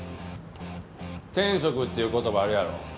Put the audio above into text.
天職っていう言葉あるやろ。